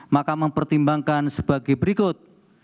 maka mempertimbangkan sebagai berikut